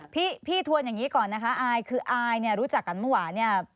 พี่ทวนอย่างนี้ก่อนนะคะอายคืออายรู้จักกันเมื่อวาน